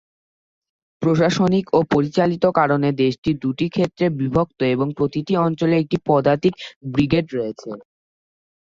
প্রশাসনিক ও পরিচালিত কারণে দেশটি দুটি ক্ষেত্রে বিভক্ত এবং প্রতিটি অঞ্চলে একটি পদাতিক ব্রিগেড রয়েছে।